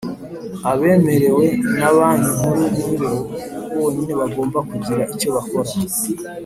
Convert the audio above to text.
abemerewe na Banki Nkuru ni bo bonyine bagomba kugira icyo bakora